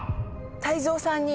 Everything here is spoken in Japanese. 泰造さんに。